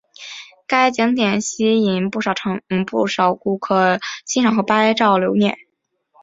该景点吸引不少顾客欣赏和拍照留念。